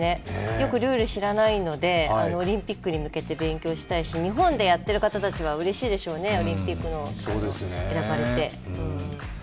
よくルール知らないので、オリンピックに向けて勉強したいし日本でやっている方たちはうれしいでしょうね、オリンピックに選ばれて。